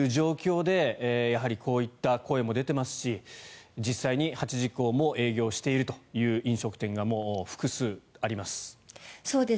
やはりこういった声も出ていますし実際に８時以降も営業しているという飲食店が複数あります。